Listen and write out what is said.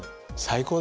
最高！